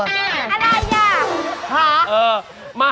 อ่าอะไรยัง